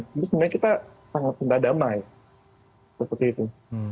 tapi sebenarnya kita sangat rendah damai seperti itu